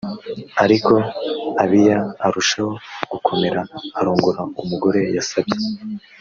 ariko abiya arushaho gukomera arongora umugore yasabye